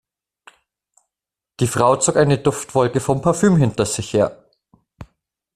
Die Frau zog eine Duftwolke von Parfüm hinter sich her.